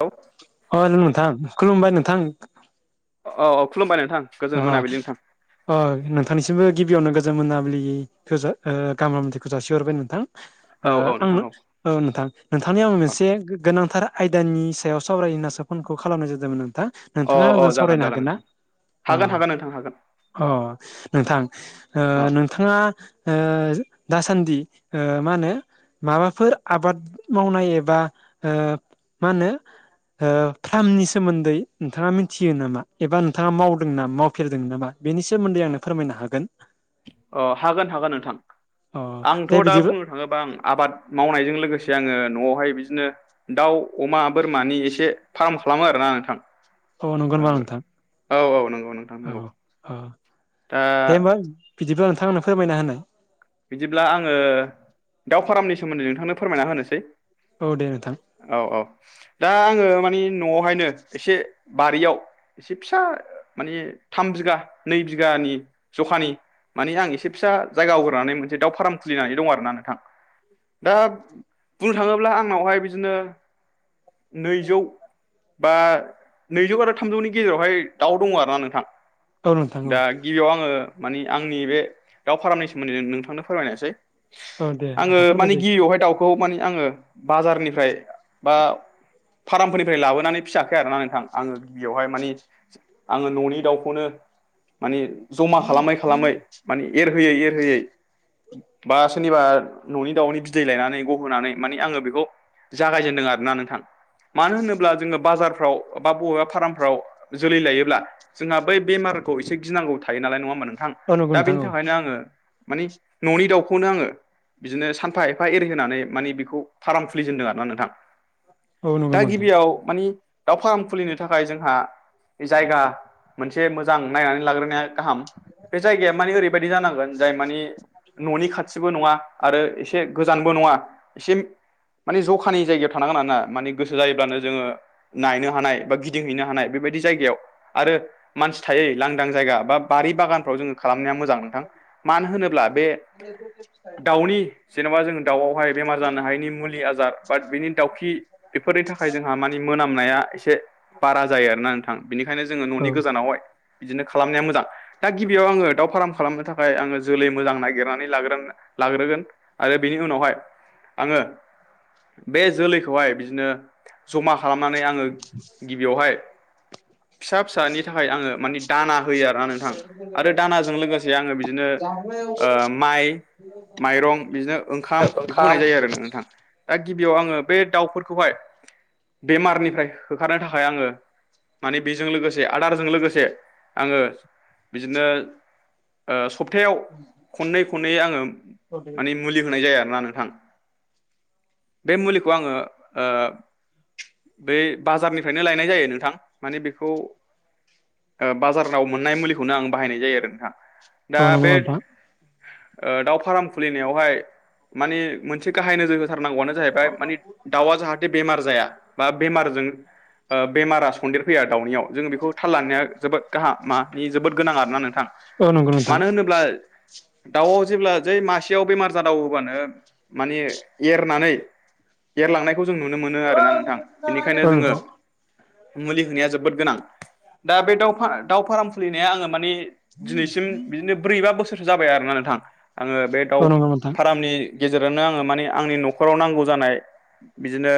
औ अ' नोंथां खुलुमबाय नोंथां औ-औ खुलुमबाय नोंथां गोजोन आ मोनाबिलि नोंथां अ नोंथांनिसिमबो गिबियावनो गोजोन मोनाबिलिखौ गाहामथिखौ जासिहरबाय नोंथां औ ओ औ नोंथां आंनो औ नोंथां नोंथांनि आं मोनसे गोनांथार आयदानि सायाव सावरायनो होननासो फनखौ खालामनाय जादोंमोन नोंथा औ अ नोंथाङा अ आंजों जागोन सावरायनो जागोन नोंथां हागोनना हागोन हागोन नोंथां हागोन अ-अ नोंथां औ नों नोंथाङा ओ दासान्दि ओ मा होनो माबाफोर आबाद मावनाय एबा ओ मा होनो फार्मनि सोमोन्दै नोंथाङा मिथियो नामा एबा नोंथाङा मा वदों मावफेरदों नामा बेनि सोमोन्दै आंनो फोरमायनो हागोन अ हागोन हागोन नोंथां अ आंथ' दे दा बिदिबो बुं नों थाङोबा आं आबाद मावनायजों लोगोसे आङो न'आवहाय बिदिनो दाउ अमा बोरमानि एसे फार्म खालामो आरोना नोंथां औ नंगौ नामा नोंथां औ औ नंगौ नोंथां नंगौ औ-औ दा दे होमबा बिदिबा नोंथां आंनो फोरमायना होनाय बिदिब्ला आङो दाउ फारामनि सोमोन्दै नोंथांनो फोरमायना होनोसै औ दे नोंथां औ-औ दा आङो मानि न'आवहायनो एसे बारियाव एसे फिसा माने थाम बिगा नै बिगानि जखानि माने आं एसे फिसा जायगा आवग्रिनै मोनसे दाउ फार्म खुलिनानै दं आरोना नोंथां दा बुंनो थाङोब्ला आंनावहाय बिदिनो नैजौ बा नैजौ आरो थामजौनि गेजेरावहाय दाउ दङ आरो ना नोंथां औ नोंथां औ दा गिबियाव आङो मानि आंनि बे दाउ फारामनि सोमोन्दै नोंथांनो फोरमायनोसै औ दे आङो नोंथां मानि फोरमायजायो गिबियावहाय दाउखौ माने आङो बाजारनिफ्राय बा फार्मफोरनिफ्राय लाबोनानै फिसियाखै आरोना नोंथां आङो गिबियावहाय मानि आङो न'नि दाउखौनो माने जमा खालामै खालामै मान एरहोयै एर होयै बा सोरनिबा न'नि दाउनि बिदै लायनानै गहोनानै मानि आङो बेखौ जागायजेनदों आरो ना नोंथां। मानो होनोब्ला जोङो बाजारफ्राव बा बबेबा फार्मफ्राव जोलै लायोब्ला जोंहा बै बेमारखौ एसे गिनांगौ थायो नालाय नङा होनोमोन नोंथां औ नंगौ दा नोंथां बिनि औ थाखायनो आङो मानि न'नि दाउखौनो आङो बिदिनो सानफा एफा एरि होनानै मानि बेखौ फाराम खुलिजेनदों आरो ना नोंथां। औ नंगौ दा नोंथां गिबियाव मानि दाउ फार्म खुलिनो थाखाय जोंहा बे जायगा मोनसे मोजां नायनानै लाग्रोनाया गाहाम। बे जायगाया माने ओरैबायदि जानांगोन। जाय मानि न'नि खाथिबो नङा आरो एसे गोजानबो नङा एसे मानि जखानि जायगायाव थानांगोन आर ना माने गोसो जायोब्लानो जोङो नायनो हानाय बा गिदिंहैनो हानाय बेबायदि जायगायाव आरो मानसि थायो लांदां जायगा बा बारि बागानफ्राव जोङो खालामनाया मोजां नोंथां। मानो होनोब्ला बे [unintelligible] दाउनि जेनेबा जोंङ दाउआवहाय बेमार जानो हायिनि मुलि आजार बा बेनि दाउखि बेफोरनि थाखाय जोंहा मानि मोनामनाया एसे बारा जायो आरोना नोंथां बेनिखायनो जोङो औ न'नि गोजानावहाय बिदिनो खालामनाया मोजां दा गिबियाव आङो दाउ फार्म खालामनो था ओमाय आङो जोलै मोजां नागिरनानै लाग्रो लाग्रोगोन आरो बेनि उनावहाय आङो बे जोलैखौहाय बिदिनो जमा खालामनानै आङो गिबियावहाय फिसा फिसानि थाखाय आङो मानि दाना होयो आरो ना नोंथां आरो दानाजों लोगोसे आङो बिदिनो ओ माइ माइरं बिदिनो ओंखाम बेखौ होनाय जायो आरो नोंथां। दा गिबियाव आङो बे दाउफोरखौहाय बेमारनिफ्राय होखारनो थाखाय आङो माने बेजों लोगोसे आदारजों लोगोसे आङो बिदिनो ओ सप्तायाव खननै खननै आङो मानि मुलि होग्रोनाय जोयो आरोना नोंथां बे मुलिखौ आङो ओ बै बाजारनिफ्रायनो लायनाय जायो नोंथां माने बेखौ बाजाराव मोननाय मुलिखौनो आं बाहायनाय जायो आरो नोंथा दा औ नंगौ बे नोंथां ओ दाउ फाराम खुलिनायावहाय मानि मोनसे गाहाय नोजोर हो थारनांगौआनो जाहैबाय मानि दाउआ जाहाथे बेमार जाया बा बेमारजों ओ बेमारा सन्देर फैया दाउनियाव जों बेखौ थाल लांनाया जोबोद गाहाम मानि जोबोद गोनां आरोना नोंथां। औ नंगौ नोंथां मानो होनोब्ला दाउआव जेब्ला जै मासेयाव बेमार जादाव होबानो माने एरनानै एरलांनायखौ जों नुनो मोनो आरोना नोंथां औ नोंथां बेनिखायनो औ जोङो मुलि होनाया जोबोद गोनां दा बे दाउ दावउ फाराम खुलिनाया आङो मानिे दिनैसिम बिदिनो ब्रै बा बोसोरसो जाबाय आरोना नोंथां आङो बे दाउ नंगौ नोंथां फारमनि गेजेरावनो आङो माने आंनि न'खराव नांगौ जानाय बिदिनो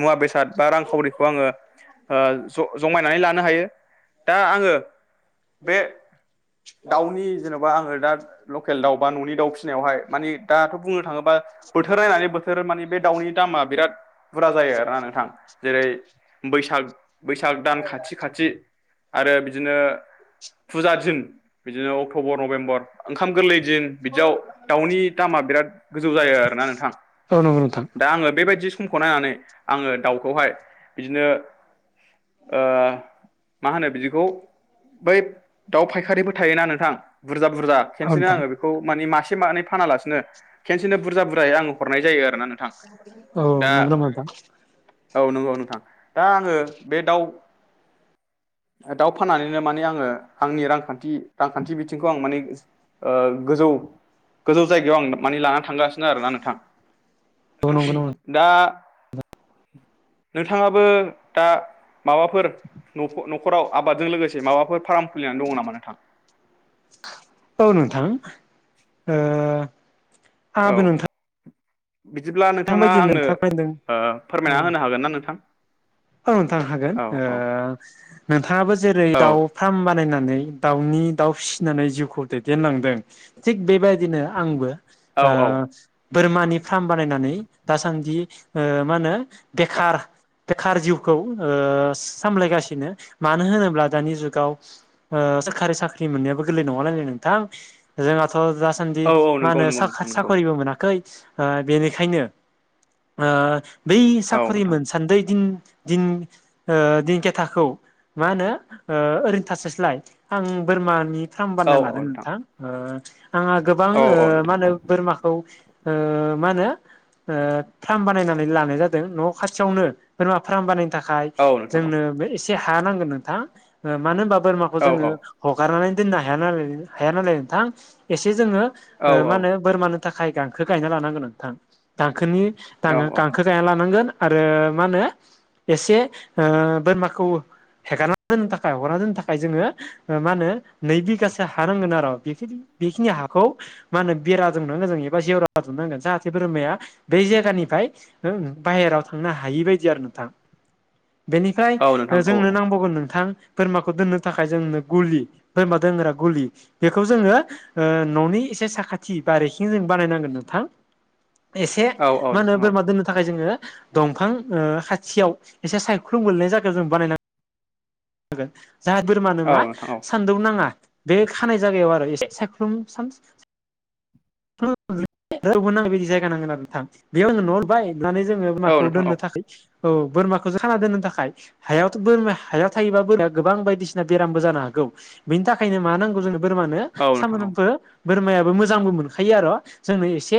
मुवा बेसाद बा रांखावरिखौ आङो ओ ज जमायनानै लानो हायो दा आङो बे दाउनि जेन'बा आङो दा लकेल दाउ बा न'नि दाउ फिसिनायावहाय मानि दाथ' बुंनो थाङोब्ला बोथोर नायनानै बोथोर माने बे दाउनि दामा बिराद बुरा जायो आरोना नोंथां जेरै बैसाग बैसाग दान खाथि खाथि आरो बिदिनो फुजा दिन बिदिनो अक्ट'बर नभेम्बर ओंखाम गोरलै दिन बिदियाव दाउनि दामा बिराद गोजौ जायो आरोना नोंथां। औ नंगौ नोंथां औ दा आङो बेबायदि समखौ नायनानै आङो दाउखौहाय बिदिनो ओ मा होनो बिदिखौ बै दाउ फायखारिबो थायोना नोंथां बुरजा बुरजा खेनसेनो नोंथां आङो बेखौ माने मासे मानै फानालासिनो खेनसेनो बुरजा बुरजायै आङो हरनाय जायो आरोना नोंथां औ दा नंगौ नामा नोंथां औ नंगौ नोंथां दा आङो बे दाउ दाउ फाननानैनो माने आङो आंनि रांखानथि रांखानथि बिथिंखौ आं माने गोजौ गोजौ जायगायाव आं माने लाना थांगासिनो आरोना नोंथां औ नंगौ नामा दा नोंथाङाबो दा माबाफोर नख नखराव आबादजों लोगोसे माबाफोर फाराम खुलिनानै दङ नामा नोंथां औ नोंथां ओ आहाबो औ नोंथां बिदिब्ला नोंथाङा बायदि आंनो नोंथां फैदों औ फोरमायना होनो हागोन ना नोंथां औ नोंथां हागोन औ औ नोंथाङाबो जेरै औ दाउ फार्म बानायनानै दाउनि दाउ फिसिनानै जिउखौ दैदेनलांदों थिग बेबायदिनो आंबो औ बोरमानि फार्म बानायनानै दासानदि मा होनो औ बेखार बेखार जिउखौ ओ सामलायगासिनो मानो होनोब्ला दानि जुगाव ओ सोरखारि साख्रि मोननायाबो गोरलै नङा नालाय नोंथां जोंहाथ' दा सानदि औ औ मा नंगौ होनो नंगौ नोंथां साखा नंगौ साख'रिबो मोनाखै बेनिखायनो बै औ साख्रि नोंथां मोन सानदै दिन दिन ओ दिनखेथाखौ मा होनो ओ ओरैनो थास्लाय स्लाय आं बोरमानि फ्राम औ बानायना औ लागोन नोंथां ओ आंहा गोबां औ ओ औ मा नोंथां औ होनो बोरमाखौ ओ मा होनो फ्राम बानायनानै लानाय जादों न खाथियावनो बोरमा फ्राम बानायनो थाखाय नोंथां औ जोंनो एसे हा नांगोन नोंथां मानो होनबा बोरमा खौ औ जोङो हगारनानै दोननो हाया नालाय नोंथां एसे जोंङो औ मा होनो बोरमानि थाखाय गांखो गायना लानांगोन नोंथां गांखोनि दा औ गांखो गायना लानांगोन आरो मा होनो एसे बोरमाखौ हेगारना दोननो थाखाय हगारना दोननो थाखाय जोंङो मा होनो नै बिगासो हा नांगोन आरो बेखिनि हाखौ मा होनो बेरा दुमनांगोन जों एबा जेवरा दुमनांगोन जाहाथे बोरमाया बै जायगानिफ्राय बाहेरायाव थांनो हायि बायदि आरो नोंथां बेनिफ्राय औ नोंथां औ जोंनो नांबावगोन नोंथां बोरमाखौ दोननो थाखाय जोंनो गुलि बोरमा दोनग्रा गुलि बेखौ जोंङो ननि एसे साखाथि बारिखिं जों बानायनांगोन नोंथां एसे औ औ मा होनो नोंथां बोरमा दोननो थाखाय जोंङो दंफां खाथियाव एसे सायख्लुम गोलैनाय जागायाव जों बानायनां गोन जाहा बोरमानो औ मा नोंथां औ सानदुं नांङा बे खानाय जायगायाव आरो एसे सायख्लुम सान [unintelligible] नांनाय बायदि जायगा नांगोन आरो नोंथां बेयाव न लुबाय लुनानै जोङो औ बोरमाखौ नोंथां दोननो थाखै औ बोरमाखौ जों खाना दोननो थाखाय हायावथ' बोरमा हायाव थायोबा बोरमाया गोबां बायदिसिना बेरामबो जानो हागौ बेनि थाखायनो मा नांगौ जों बोरमानो औ नोंथां औ नोंथां औ सानफ्रोमबो बोरमायाबो मोजांबो मोनखायो आरो जोंनो एसे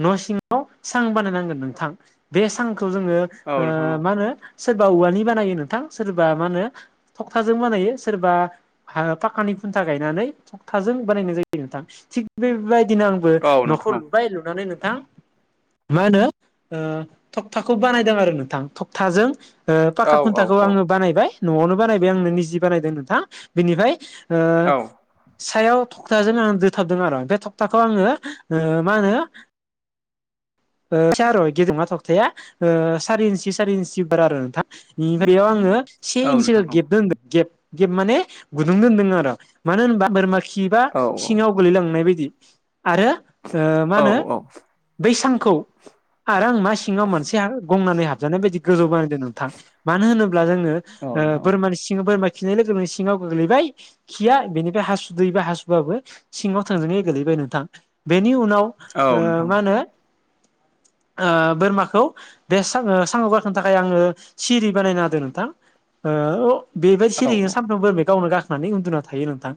न सिङाव सां बानायनांगोन नोंथां बे सांखौ जोङो औ नोंथां मा होनो सोरबा औवानि बानायो नोंथां सोरबा मा होनो थखथाजों बानायो सोरबा पाखानि खुन्था गायनानै थखथाजों बानायनाय जायो नोंथां थिग बेबायदिनो आं बो औ नखौ लुबाय लुनानै नोंथां मा होनो थकथाखौ बानायदों आरो नोंथां थखथाजों औ पाखा खुन्थाखौ औ आङो बानायबाय न'आवनो बानायबाय आंनो निजि बानायदों नोंथां बिनिफाय ओ सायाव थखथाजों आं दोथाबदों आरो बे थखथाखौ आंङो मा होनो बायसा आर' गेदेमा थखथाया सारि इन्सि सारि इन्सि बारा आरो नोंथां [unintelligible] बेयाव आंङो से औ नोंथां औ इनसो नोंथां औ नोंथां औ औ गेब दो गेब माने गुदुं दोन्दों आरो' मानो होनबा बोरमा खि बा औ सिङाव गोलैलांनाय बायदि आरो मा होनो औ बै सांखौ आरो आं मा सिङाव मोनसे गंनानै हाब बायदि गोजौ बानायदों नोंथां मानो होनोब्ला जोङो ओ बोरमानि सिं बोरमा खिनाय लोगोनो सिङाव गोग्लैबाय खिया बेनिफ्राय हासुदैबा हासुबाबो सिङाव थोंजोङै गोलैबाय नोंथां बेनि उनाव ओ माहोनो ओ बोरमाखौ बे सां ओ साङाव गाखोनो थाखाय आङो सिरि बानायना होदों नोंथां ओ अ बेबायदि सिरियैनो सानफ्रोमबोरै गावनो गाखोनानै उन्दुना थायो नोंथां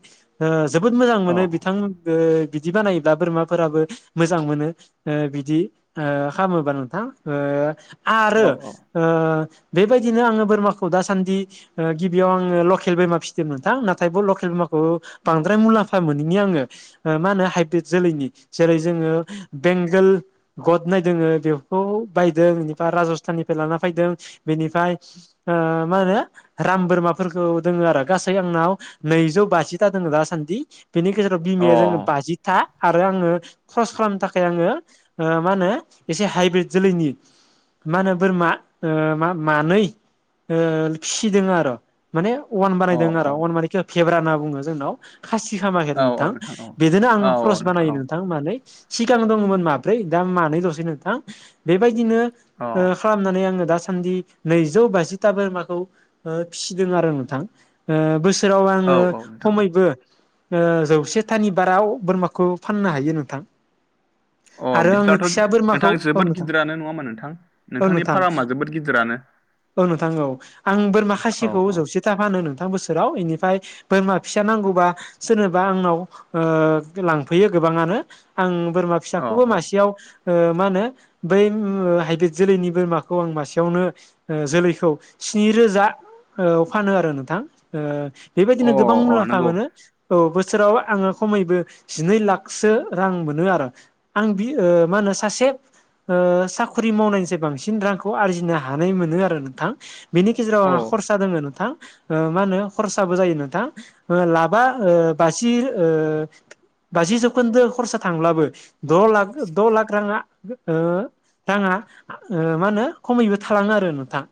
ओ जोबोद मोजां मोनो बिथां ओ बिदि बानाय्ला बोरमाफोराबो मोजां मोनो ओ बिदि ओ खालामामोबा नोंथां ओ आरो औ ओ बेबायदिनो आङो बोरमाखौ दासान्दि ओ गिबियाव आङो लकेल बोरमा फिसिदोंमोन नोंथां नाथाय ब लकेल बमाखौ बांद्राय मुलाम्फा मोनैनि आङो मा होनो हाइब्रिद जोलैनि जेरै जोङो बेंगोल गद नायदों बेखौ बायदों बेनिफ्राय राजस्थाननिफ्राय लाना फैदों बेनिफ्राय ओ माहोनो राम बोरमाफोरखौ दोङो आरो गासै आंनाव नैजौ बाजिथा दङो दासान्दि बेनि गेजेराव औ बिमाया जोङो अ बाजिथा आरो आङो सरस खालामनो थाखाय आङो ओ मा होनो एसे हाइब्रिद जोलैनि मा होनो बोरमा ओ मा मानै ओ फिसिदों आरो माने अवन अ बानायदों आरो अवन माने फेब्रा होनना बुङो जोंनाव खासि खामाखै औ आरो औ नोंथां औ बेजोंनो आं औ औ ख्रस नोंथां बानायो औ नों थांनानै सिगां दङमोन माब्रै दा मानै दसै नोंथां बेबायदिनो खालामनानै आङो दासान्दि नैजौ बाजिथा बोरमाखौ फिसिदों आरो नोंथां ओ बोसोराव अ औ आङो औ नोंथां औ खमैबो ओ जौसेथानि बारा बोरमाखौ फाननो हायो नोंथां अ आरो आङो बिदिब्लाथ' फिसा बोरमाखौ नोंथां औ जोबोद नोंथां गिदिरानो नङा ओमबा नोंथां औ नोंथांनि नोंथां फारामा जोबोद गिदिरानो औ नोंथां औ आं बोरमा औ खासिखौ औ जौसे था फानो नोंथां बोसोराव इनिफ्राय बोरमा फिसा नांगौबा सोरनोबा आंनाव ओ लांफैयो गोबाङानो आं बोरमा अ फिसाखौबो अ मासेयाव ओ मा होनो बै हाइब्रिद जोलैनि बोरमाखौ आं मासेयावनो ओ जोलै खौ स्नि रोजा औ फानो आरो नोंथां ओ अ बेबायदिनो गोबां अ मुलाम्फा नंगौ मोनो औ बोसोराव आङो खमैबो जिनै लाखसो रां मोनो आरो आं बि ओ मा होनो सासे ओ साखरि मावनायनिसाय बांसिन रांखौ आरजिनो हानाय मोनो आरो नों थां बेनि गेजेराव औ आंहा खरसा दोङो नोंथां ओ मा होनो खरसाबो जायो नोंथां लाबा ओ बाजि ओ बाजि जौखोन्दो खरसा थांब्लाबो द' लाख द' लाख रांआ ओ रांआ ओ मा होनो खमैबो थालाङो आरो नोंथां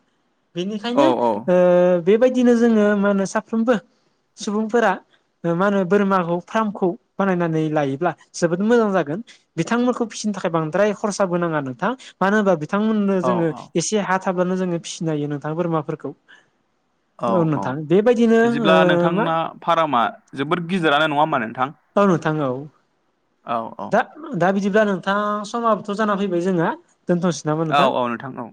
औ बेनिखायनो ओ बेबायदिनो जोङो मा होनो साफ्रोमबो सुबुंफोरा ओ मा होनो बोरमाखौ फाम्रखौ बानायनानै लायोब्ला जोबोद मोजां जागोन बिथांमोनखौ फिसिनो थाखाय बांद्राय खरसाबो नाङा नोंथां मानो होनबा बिथांमोननो औ जोङो एसे हा थाब्लानो जोङो फिसिनो हायो नोंथां बोरमाफोरखौ औ नोंथां बेबायदिनो ओ मा फारामा जोबोद गिदिरानो नङा होमबा नोंथां औ नोंथां औ औ औ दा दा बिदिब्ला नोंथां समाबोथ' जानानै फैबाय जोंहा दोनथ'सै औ-औ नोंथां औ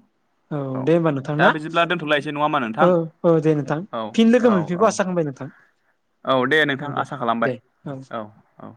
औ दे होमबा नोंथां दा ना बिदिब्ला दोनथ'लायसै नङा होमबा नोंथां औ-औ दे नोंथां औ फिन लोगो औ औ बेखौ आसा खालामबाय नों [unintelligible] औ दे नोंथां आसा खालामबाय औ औ